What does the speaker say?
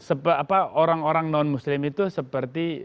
apa orang orang non muslim itu seperti